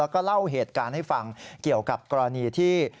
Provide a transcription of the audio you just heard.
แล้วก็เล่าเหตุการณ์ให้ฟังเกี่ยวกับกรณีที่